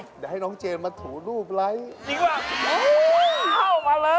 เดี๋ยวให้น้องเจมาถูรูปไลค์จริงหรือเปล่า